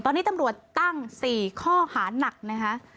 ตอนนี้ตำรวจตั้ง๔ข้อหานักนะคะ